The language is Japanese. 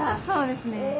そうですね。